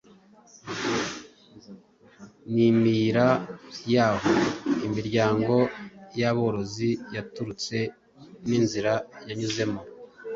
ni imiyira y'aho imiryango y'aborozi yaturutse n'inzira yanyuzemo.